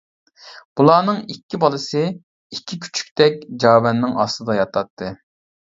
بۇلارنىڭ ئىككى بالىسى ئىككى كۈچۈكتەك جاۋەننىڭ ئاستىدا ياتتى.